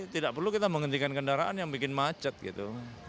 tidak perlu kita menghentikan kendaraan yang bikin macet gitu